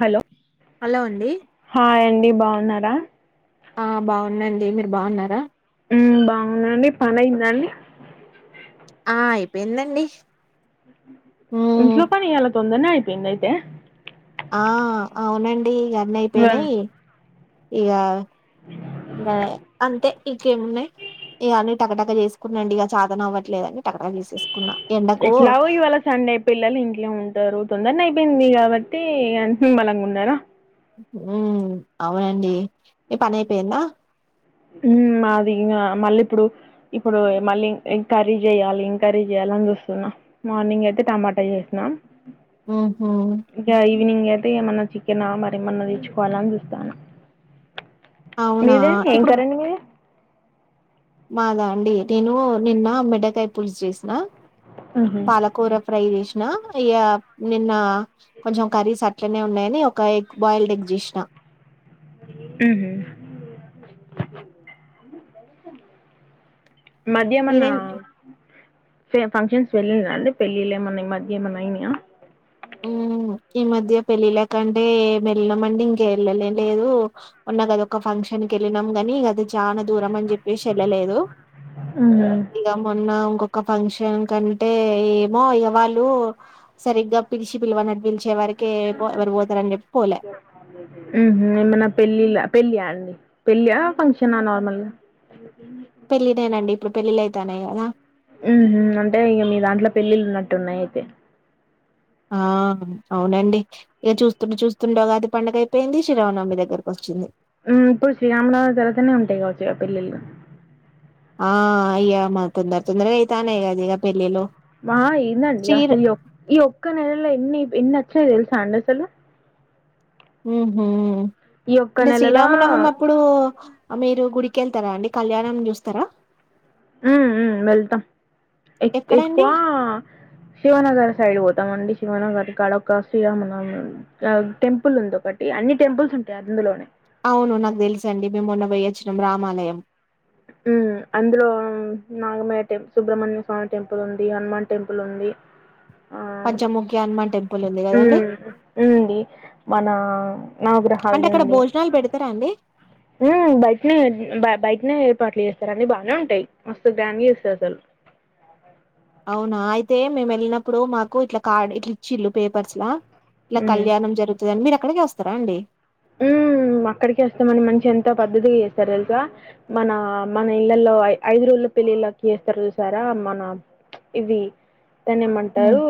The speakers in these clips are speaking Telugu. హలో హలో అండి హాయ్ అండి బాగున్నారా ఆ బాగున్నాండి మీరు బాగున్నారా బాగున్నానండి పని అయిందా అండి ఆ అయిపోయిందండి మ్మ్ ఇంట్లో పని ఈయాల తొందనే అయిపోయింది అయితే ఆ అవునండి అన్నీ ఆ అయిపోయినాయి ఇక గా అంతే ఇకేమున్నాయి ఇక అన్నీ టకటక చేసుకున్నాండి ఇక చేతన అవ్వట్లేదుదని టక టక చేసేసుకున్నా ఎండకు ఎట్లాగూ ఇవాళ సండే పిల్లలు ఇంట్లో ఉంటారు తొందరనే అయి చెప్పింది కాబట్టి బలంగా ఉన్నారా ఉ అవునండి మీ పని అయిపోయిందా ఇ మాది ఇంగ మళ్ళీ ఇప్పుడు ఇప్పుడు మళ్ళీ ఏం కర్రీ చెయ్యాలి ఏం కర్రీ చేయాలి చూస్తున్నా మార్నింగ్ అయితే టమాటా చేసినాం హ్మ్ హ్మ్ ఈవినింగ్ అయితే ఏమన్నా చికెనా మరి ఏమన్నా తెచ్చుకోవాలా అని చూస్తున్నా అవునా ఏం ఇప్పుడు కర్రీ అండి మీది మాదా అండి నేను నిన్న బెండకాయ పులుసు చేసినా ఉహు పాలకూర ఫ్రై చేసిన ఆ ఇక నిన్న కొంచెం కర్రీస్ అట్లనే ఉన్నాయని ఒక ఎగ్ బాయిల్డ్ ఎగ్ చేసినా ఉ మహు మధ్య ఎమ్మాన మీరేం ఫంక్షన్స్ వెళ్ళిండ్రా అండి పెళ్లిళ్లు ఏమన్నా ఈ మధ్యేమైనా అయినయా ఉ ఈ మధ్య పెళ్లిళ్ల కంటే వెళ్లమండి ఇంకా వెళ్ళనే లేదు మొన్నదొక ఫంక్షన్ ఫంక్షన్ కీ వెళ్ళినాం కాని అది చానా దూరం అని చెప్పేసి వెళ్ళలేదు ఊహూ ఇగ మొన్న ఇంకో ఒక ఫంక్షన్ కంటే ఏమో ఈగ వాళ్లు సరిగ్గా పిలిచి పిల్వనట్టు వరకే ఎవరు పోతారని చెప్పి ఉహూ ఏమన్నా పెళ్లిళ్ల పళ్లి అండి పెళ్ళా ఫంక్షనా నార్మల్ గా పెళ్ళికేనండి ఇప్పుడు పెళ్ళిళ్ళైతానయి కదా ఆమ్ ఆహ్ అంటే ఇక మీ దాంట్లో పెళ్ళిళ్ళున్నట్టు ఉన్నాయి అయితే ఆహ్ అవునండి ఇక చూస్తుంటే చూస్తుండేగా ఉదగి పండుగ అయిపోయింది ఇగ శ్రీరామనవమి దగ్గరకొచ్చింది ఆహ్ ఇప్పుడు శ్రీరామనవమి తరవాతనే ఉంటాయి కావచ్చు ఇగ పెళ్ల్ళిలు ఆహ్ అయ్యా మరి తొందర తొందరగానే అయితన్నాయ్ కదా పెళ్ళిళ్ళు మా ఏందండి శ్రీర అసలు ఈ ఈ ఒక్క నెల ల ఎన్ని ఎన్నోచినై తెల్సాఅండి అసలు ఆమ్ ఆహ్ ఈ ఒక్క అంటే నెలలా శ్రీరామనవమి అప్పుడు మీరు గుడికెళ్తారా అండి కళ్యాణం చూస్తారా ఆమ్ ఆమ్ వెళ్తాం ఎక్కువ ఎక్కడండి శివనగర సైడ్ పోతమండి శివనగర్ కాడొక శ్రీరామనవమి ఆ టెంపుల్ ఉంది ఒకటి అన్ని టెంపుల్స్ ఉంటాయి అందులోనే అవును నాకు తెలుసండి మేమోన్న పోయొచ్చినం రామాలయం అందులో నాగమయ టె సుబ్రహ్మణ్య స్వామి టెంపుల్ ఉంది హనుమాన్ టెంపుల్ ఉంది ఆహ్ పంచముఖ్య హనుమాన్ టెంపుల్ ఉంది కదండి ఆమ్ ఉంది మన అంటే అక్కడ నవగ్రహాలదుంది భోజనాలు పెడతారా అండి హు బయటనే బయటనే చే పాట్లు చేస్తారు అన్ని బాగానే ఉంటాయి మస్తు గ్రాండ్ గా చేస్తారు అసలు అవునా అయితే మేము వెళ్ళినప్పుడు మాకు ఇట్లా కార్డ్ ఇట్ల ఇచ్చిళ్ళు పేపర్స్ లా ఇలా హ్మ్. కళ్యాణం జరుగుతుందని మీరు అక్కడికే వస్తారా అండి ఉహు హు అక్కడికే వస్తమండి మంచిగ ఎంత పద్దతిగా చేస్తరు తెలుసా మన మన ఇళ్లలో ఐదు రోజులు పెళ్లిలకి చేస్తారు చూసారా అ మనా ఇది దాన్ని ఏమంటారు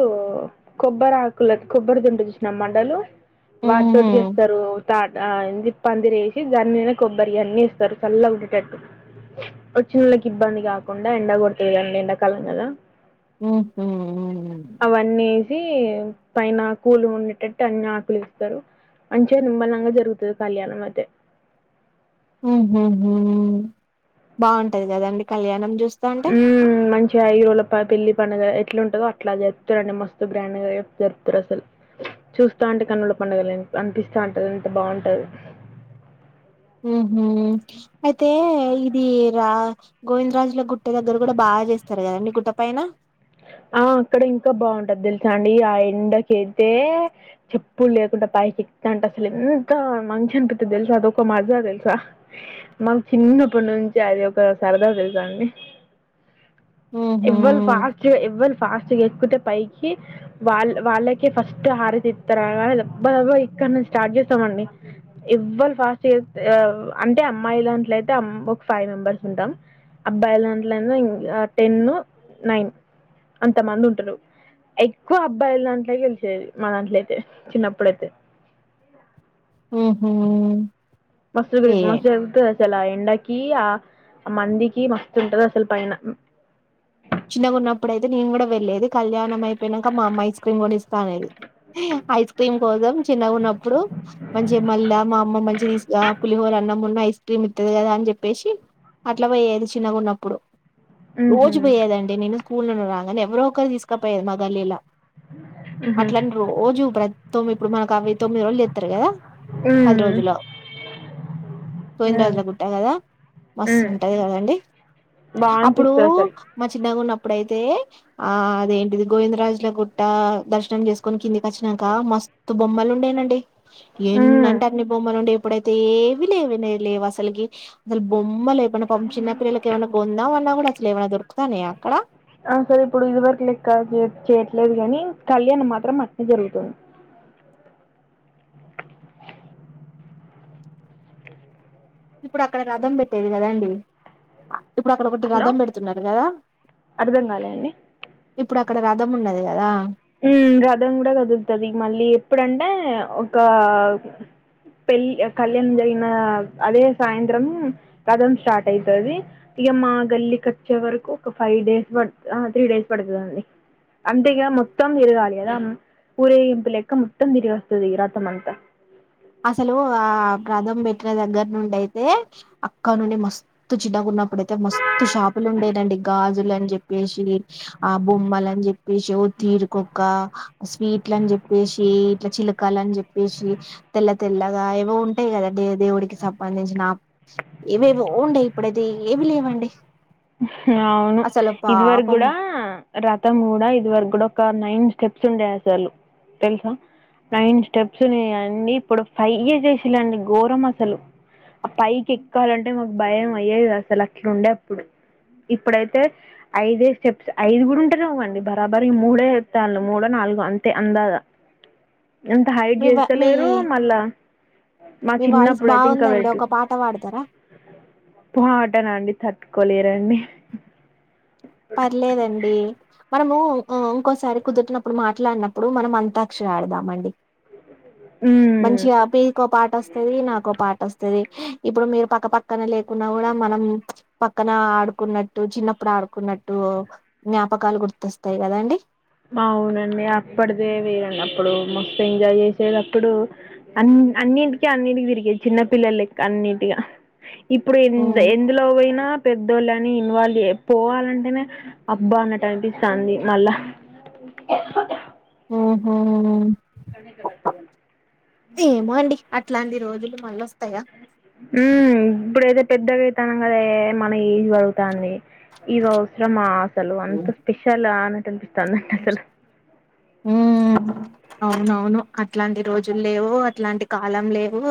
కొబ్బరి ఆకుల కొబ్బరిదుంటది చూసినా మండలు వాటితోటి చేస్తరు తాట ఆ ఏంది పందిరేసి దానిమీద కొబ్బరివన్ని ఏస్తారు చల్లగుండెటట్టు వచ్చినోళ్ళకి ఇబ్బంది కాకుండా ఎండ కొడుతది కదా అండి ఎండాకాలం కదా ఉహు హు సి పైన కూల్ గుండేటట్టు అన్ని ఆకులేస్తారు మంచిగా నిమ్మల అ జరుగుతుది కళ్యాణమైతే ఉహు హు బాగుంటది కదండి కళ్యాణం చూస్తే ఉ మంచిగా ఐదురోజుల పెళ్ళి పండగ ఎట్లుంటదో అట్లా జరూపుతరండి మస్తు గ్రాండ్ జరుపుతారు అసలు చూస్తాంటే కన్నుల పండగ లా అనిపిస్తా ఉంటంది అంత బాగుంటది ఉహు అయితే ఇది రా గోవిందరాజుల గుట్ట దగ్గర కూడా బాగా బాగ చేస్తారు కదండి గుట్ట పైన ఆ అక్కడ ఇంకా బాగుంటది తెలుసా అండి ఆ ఎండకైతే చెప్పులు లేకుండా పైకి ఎక్కుతా అంటే ఎంత మంచిగనిపిసత్తది తెలుసా అదొక మజా తెలుసా మా చిన్న చిన్నప్పటి నుంచి అది ఒక సరదా తెలుసాండి ఉహు ఎవరు ఫాస్ట్ గా ఎక్కుతే పైకి వాళ్ళ వాళ్ళకే ఫస్ట్ హరితిస్తారు అని దబ్బదబ్బ ఇగో ఇక్కడనుండి స్టార్ట్ చేస్తామండి ఎవ్వరు ఫాస్ట్ అంటే అమ్మాయిదాంట్లైతే అమ్మాయిలు ఒక ఫైవ్ మెంబర్స్ ఉంటాం అబ్బాయి దాంట్లోయినా ఇగా టెన్ నైన్ అంత మంది ఉంటారు ఎక్కువ అబ్బాయిల దాంట్లో గెలిచేది మా దాంట్లోయితే చిన్నప్పుడైతే ఉహు మస్తు మస్తు జరుగుతది అసలు ఎండకి ఆ మందికి మస్తు ఉంటది అసలు పైన చిన్నగాన్నప్పుడైతే నేను కూడా వెళ్లేది కళ్యాణం అయిపోయినాక మా అమ్మ ఐస్ క్రీమ్ కొనిస్తా అనేది ఐస్ క్రీమ్ కోసం చిన్నగున్నప్పుడు మంచిగా మళ్ళా మా అమ్మ మంచి తీసు ఆహ పులిహోర అన్నమున్న ఐస క్రీమ్ ఇత్తది కదా అని చెప్పేసి అట్లా పోయేది చిన్నగా ఉన్నప్పుడు ఉహూ పోయదండి నేను స్కూల్ నుండి రాగానే ఎవరో ఒకరు తీసుకపోయేది మా గల్లీ లా హుహు. అట్లాని రోజు ప్ర ఇప్పుడు మనకు అవి తొమ్మిది రోజులు చెత్తారు కదా హు పది రోజుల గోవిందరాజుల గుట్ట కదా మస్తు హ్మ్ ఉంటుంది కదండి బా అప్పుడు అనిపిస్తది అసలు మా చిన్నగా ఉన్నప్పుడైతే ఆ అదేంటిది గోవిందరాజుల గుట్ట దర్శనం చేసుకొని కిందికచ్చిన నక మస్తు బొమ్మలు ఉండనండి ఎన్ని హ్మ్ అంటే అన్ని బొమ్మలు ఉండే ఇప్పుడైతే ఏవి లేవ లేవు అసలుకి అసలు బొమ్మ బొమ్మలు లేకపోయినా పాపం చిన్నపిల్లలకు ఏమన్నా కొందామన్నా అసలు కూడా ఎమన్నా దొరుకు అసలు ఇప్పుడు ఇదివరకు లెక్క చేయట్లేదు గాని కళ్యాణం మాత్రం మస్తు జరుగుతుంది ఇప్పుడు అక్కడ రథం పెట్టేది కదండి ఆ ఇప్పుడు అక్కడ ఒకటి హలో రథం పెడుతున్నారు కదా అర్థం కాలే అండి ఇప్పుడు అక్కడ రథం ఉన్నది కదా ఉం రథం కూడా కదులుతది మళ్ళీ ఎప్పుడంటే ఒక పెల్లి కళ్యాణం జరిగిన అదే సాయంత్రం రథం స్టార్ట్ అయితది ఇగ మా గల్లి కచ్చే వరకు ఒక ఫైవ్ డేస్ పడు ఆ త్రీ డేస్ పడుతదండి అంటే ఇగా మొ మొత్తం తిరగాలి కదా ఊరేగింపు లెక్క మొత్తం తిరిగి అస్తది ఇ రథం అంతా అసలు ఆ రథం బెట్ర దగ్గర నుండి అయితే అక్క నుండి మస్తు చిన్నగు న్నప్పుడయితే మస్తు షాపులు ఉండేదండి గాజులు అని చెప్పేసి ఆ బొమ్మలు అని చెప్పేసి తీరుకోక స్వీట్లని చెప్పేసి ఇట్లా చిలకలు అని చెప్పేసి తెల్ల తెల్లగా ఏవో ఉంటాయి కదా దేవుడికి సంబంధించిన ఏవేవో ఉండే ఇప్పుడైతే ఏమి లేవండి అవును అసలు ఇది వర పాపం కూడా రతం కూడా ఇదివరకు కూడా ఒక నైన్ స్టెప్ చుండే అసలు తెలుసా నైన్ స్టెప్స్ని అండి ఇప్పుడు ఫైయ్యే చేషిలండి ఘోరం అసలు ఆ పైకి ఎక్కాలంటే మాకు భయం అయ్యేది అసలు అట్లుండే అప్పుడు ఇప్పుడైతే ఐదే స్టెప్స్ ఐదు కూడా ఉంటానేవ్వండి బరాబరి మూడే చెతలు మూడు నాలుగు అంతే అందాద ఎంత హైట్ మీ వ మీ చేస్తలేరు మళ్ళా మా మీ వాయిస్ చిన్నప్పుడు అయితే ఇంకా బాగుందండి వెటు ఒక పాట పాడతారా పుహా ఆటన అండి తట్టు కొలేరండి పర్లేదండి మనము ఇంకోసారి కుదురినప్పుడు మాట్లాడినప్పుడు మనం అంతాక్షరి ఆడదామండి ఉమ్. మంచిగా మీకో పాట అస్తది నాకో పాట అస్ తది ఇప్పుడు మీరు పక్క పక్కన లేకున్నా కూడా మనం పక్కన ఆడుకున్నట్టు చిన్నప్పుడు ఆడుకున్న టు జ్ఞాపకాలు గుర్తొస్తాయి కదండి అవునండి అప్పటిదే వెరండి అప్పుడు మస్తు ఎంజాయ్ చేసేదప్పుడు అన్ అన్నింటికి అన్నింటికి తిరిగేది చిన్న పిల్లలు లెక్క అన్నింటిగా ఇప్పుడు ఎందు హ్మ్. ఎందులో వోయినా పెద్దోళ్ళు అని ఇన్వాల్వ్ పోవాలంటేనే అబ్బా అన్నట్టు అనిపిస్తంది మళ్ళా ఉహూ కంతలా పోడ ఏమో అండి అట్లాంటి రోజులు మల్లొస్తాయ ఉ ఇప్పుడయితే పెద్దగైతానం కదా ఏమన ఏజ్ పెరుగుతాంది ఇగ అవసరమా అసలు అంత స్పెషల్ అన్నట్టు అనిపిస్తదండి అసలు ఉమ్ అవునవును అట్లాంటి రోజులు లేవు అట్లాంటి కాలం లేవు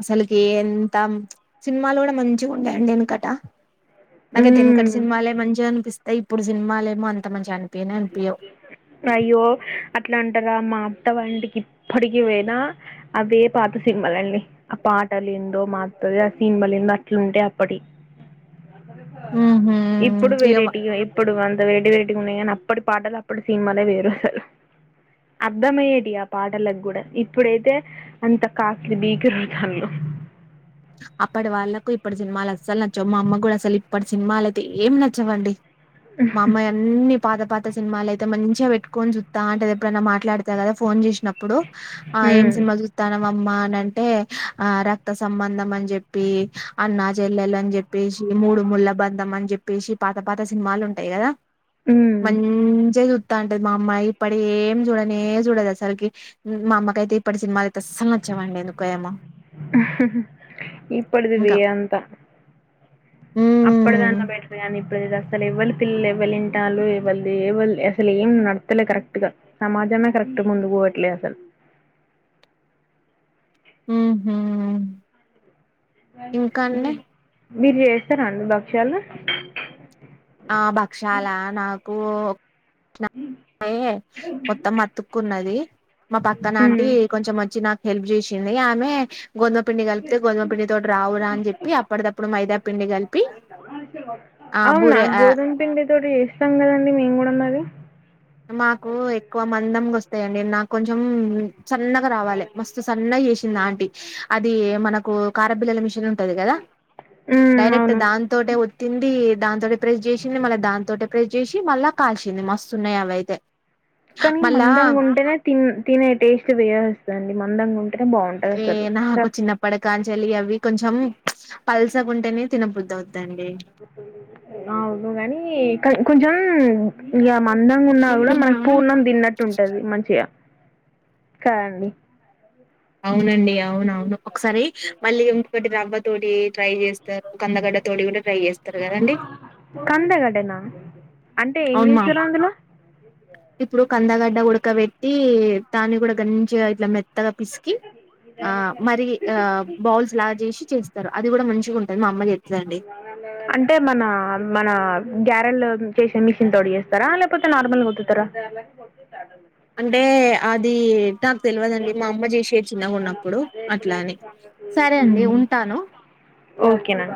అసలుకి ఎంత సినిమాలు కూడా మంచి ఉండేఅండి వెనుకట నాకైతే ఎనుకట మ్మ్ సినిమాలే మంచిగా అనిపిస్తాయి ఇప్పుడు సినిమాలేమో అంత మంచి అని అయ్యో అట్లా రా మా అత్త వాళ్ళింటికి ఇప్పటికి పోయినా అవే పాత సినిమాలన్ని ఆ పాటలు ఏందో మా అత్తది ఆ సీన్మలిందో అట్లుంటయి అప్పటి ఉహూ ఇప్పుడు ఇగ వ వెరేటిగా ఇప్పుడు అంత వెరటి వెరెటీగా ఉన్నాయి గని అప్పటి పాటలు అప్పటి సినిమాలే వేరు అసలు అర్థమయ్యేటి ఆ పాటలకు కూడా ఇప్పుడైతే అంత కాస్లీ భీతిరుగుతన్లు అప్పటి వాళ్ళకు ఇప్పటి సినిమాలు అసలు నచ్చవు మా అమ్మ కూడా అసలు ఇప్పటి సినిమాలు అయితే ఏం నచ్చవండి మా అమ్మాయి అన్నీ పాత పాత సినిమాలు అయితే మంచిగా వేట్టుకొని చూత్తంటది ఎప్పుడైనా మాట్లాడతా కదా ఫోన్ చేసినా ఇప్పుడు ఆ ఏం హ్మ్. సినిమా చూస్తానవ్ అమ్మా అని అంటే ఆ రక్త సంబంధం అని చెప్పి అన్నా చెల్లెలు అని చెప్పేసి మూడుముళ్ల బంధం అని చెప్పేసి పాత పాత సినిమా మాలు ఉంటాయి కదా హ్మ్. మంచి అంటే మా అమ్మ ఇప్పుడు ఏం చూడనే చూడదు అసలుకి మా అమ్మకైయితే ఇప్పటి సినిమాలు అయితే అసలు నచ్చవు ఏమండి ఎందుకో ఏమో మ్మహ్హ్ ఇప్పుడిది వే ఇంకా అంతా మ్మ్ అప్పటిదాన్న బెటరు కానీ ఇప్పుడు అసలు ఎవ్వరు తియ్యలే ఎవ్వరు తింటాండ్లు ఏవ్వరు తినట్లే అసలు ఏం నడుత్తలే కరెక్ట్ గా సమాజమే కరెక్ట్ ముందు పోవట్లేదు అసలు హ్హ్ హా మీరు చేస్తారా అండి భక్షలు ఆ భక్షాల నాకు పైన మొత్తం అతుక్కున్నది మా పక్క నాంటి ఉమ్ కొంచెం మంచి నాకు హెల్ప్ చేసింది ఆమె గోధుమ పిండి కలిపితే గోధుమ పిండి తోటి రావురా అని చెప్పి అప్పటికప్పుడు మైదా పిండి కలిపి ఆ అవునా బూరె ఆ గోధుమ పిండి తోటి చేస్తం కదండి మేము కూడా మరి మాకు ఎక్కువ మందంగా వస్తాయండి నాకు కొంచెం సన్నగా రావాలి మస్తు సన్నగా చేసింది ఆంటీ అది మనకు కారంబిల్లల మిషన్ ఉంటది కదా ఉమ్ డైరెక్ట్ అవును దాంతోటే ఒత్తింది దాంతోటే ప్రెస్ చేసింది మళ్ళ దానితోటే ప్రెస్ చేసి మళ్ళా కాల్చింది మస్తు ఉన్నాయి అవ్వయితే కానీ మందంగా ఉంటేనే తినే టేస్ట్ వేరు గా వస్తుందండి మందంగా ఉంటే ఏ నాకు చిన్నప్పటి కాంచెలి అవి కొంచెం పల్సగుంటేనే తినబుద్ది అవును కానీ కొంచం ఇగా అందంగా ఉన్నా కూడా మనకి పూర్ణం తిన్నట్టు ఉంటది మంచిగా కదండి అవునండి అవునవును ఒకసారి మళ్ళీ ఇంకోకటి రవ్వ తోటి ట్రై చేస్త కందగడ్డ తోటి కూడా ట్రై చేస్తారు కదండి కందగడ్డనా అంటే ఏం అవును మా చేస్తారు అందులో ఇప్పుడు కందగడ్డ ఉడకబెట్టి దాన్ని కూడా మంచిగా ఇట్ల మెత్తగా పిసికి ఆ మరి ఆ బాల్స్ లాగా చేసి చేస్తారు అది కూడా మంచిగా ఉంటుంది మా అమ్మ చేస్తది అంటే మన మన గ్యారల్ చేసే మిషన్ తోడి చేేస్తారా లేకపోతే నార్మల్గా ఒత్తుతరా అంటే అది నాకు తెలవదండి మా అమ్మ చేసేది చిన్నగా ఉన్నప్పుడు అట్లా అని సరే అండి ఉంటాను ఓకేనా